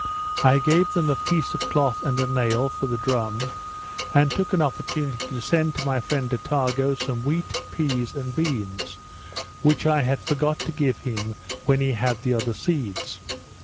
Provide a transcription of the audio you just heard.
I gave them a piece of cloth and a nail, for the drum; and took an opportunity to send to my friend Attago some wheat, pease, and beans, which I had forgot to give him when he had the other seeds.